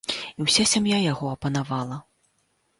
І ўся сям'я яго апанавала.